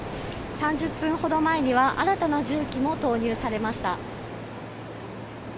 ３０分ほど前には新たな重機も投入されました。